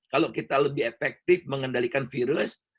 kalau kita lebih efektif mengendalikan virus